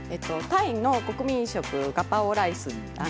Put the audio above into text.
タイの国民食ガパオライス。